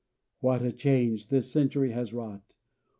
What a change this century has wrought!